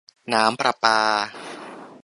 น้ำประปา